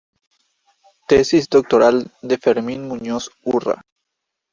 Tesis Doctoral de Fermín Muñoz Urra